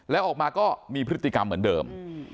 แล้วออกมาก็มีพฤติกรรมเหมือนเดิม